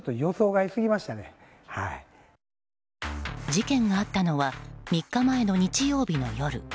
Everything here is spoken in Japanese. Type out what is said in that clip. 事件があったのは３日前の日曜日の夜。